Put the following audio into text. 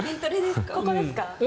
ここですか？